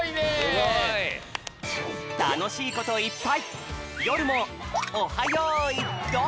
すごい！たのしいこといっぱい！